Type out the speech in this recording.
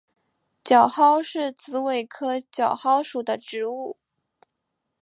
角蒿是紫葳科角蒿属的植物。